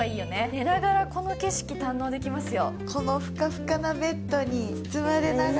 寝ながら、この景色堪能できますよ。